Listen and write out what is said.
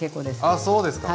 あそうですか。